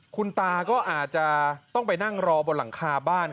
คุณตาก็อาจจะต้องไปนั่งรอบนหลังคาบ้าน